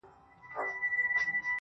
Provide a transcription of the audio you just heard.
o له کوڅه دربي سپي مه بېرېږه٫